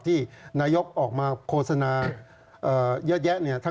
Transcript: ที่นายกออกมาโฆษณาเยอะแยะ